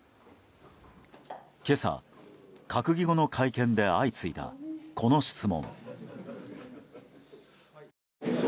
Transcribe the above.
今朝、閣議後の会見で相次いだこの質問。